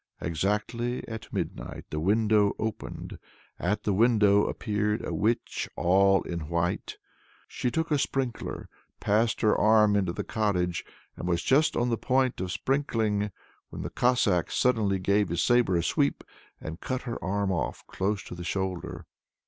Exactly at midnight the window opened. At the window appeared a witch all in white. She took a sprinkler, passed her arm into the cottage, and was just on the point of sprinkling when the Cossack suddenly gave his sabre a sweep, and cut her arm off close to the shoulder.